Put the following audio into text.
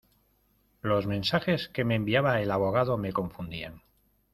Los mensajes que me enviaba el abogado me confundían.